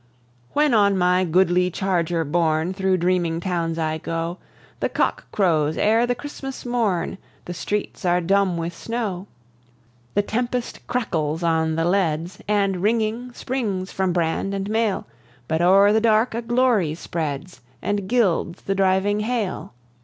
When on my goodly charger borne Thro' dreaming towns I go, The cock crows ere the Christmas morn, The streets are dumb with snow. The tempest crackles on the leads, And, ringing, springs from brand and mail; But o'er the dark a glory spreads, And gilds the driving hail.